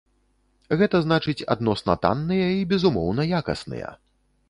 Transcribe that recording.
Гэта значыць адносна танныя і безумоўна якасныя.